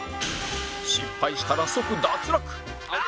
失敗したら即脱落